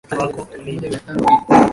Mtoto wako ameibwa.